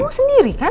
kamu sendiri kan